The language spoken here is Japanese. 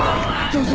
どうぞ。